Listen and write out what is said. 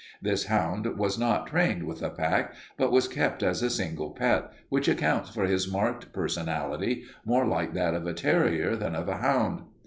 This hound was not trained with a pack but was kept as a single pet, which accounts for his marked personality, more like that of a terrier than of a hound.